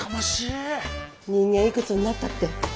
人間いくつになったって青春なのよ！